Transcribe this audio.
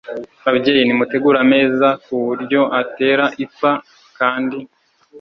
Babyeyi nimutegure ameza ku buryo atera ipfa kandi